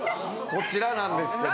こちらなんですけども。